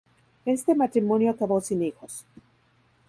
Este matrimonio acabó sin hijos.